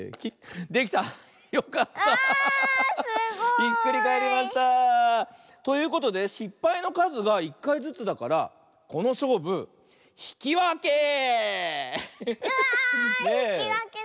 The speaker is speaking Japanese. ひっくりかえりました！ということでしっぱいのかずが１かいずつだからこのしょうぶひきわけ！わいひきわけだ！